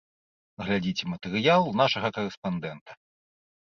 Глядзіце матэрыял нашага карэспандэнта.